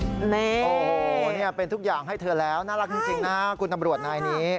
โอ้โหเนี่ยเป็นทุกอย่างให้เธอแล้วน่ารักจริงนะคุณตำรวจนายนี้